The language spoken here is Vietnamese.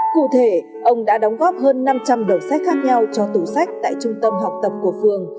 cụ thể ông đã đóng góp hơn năm trăm linh đầu sách khác nhau cho tủ sách tại trung tâm học tập của phường